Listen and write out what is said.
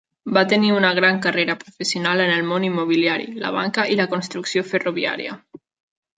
Va tenir una gran carrera professional en el món immobiliari, la banca i la construcció ferroviària.